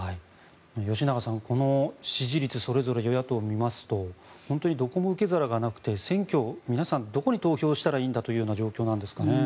吉永さん、この支持率それぞれ与野党見ますと本当にどこも受け皿がなくて選挙で皆さんどこに投票したらいいんだという状況なんですかね。